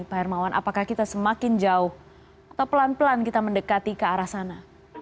pak hermawan apakah kita semakin jauh atau pelan pelan kita mendekati ke arah sana